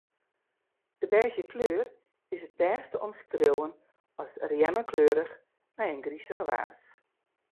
De bêzje kleur is it bêst te omskriuwen as rjemmekleurich mei in grizich waas.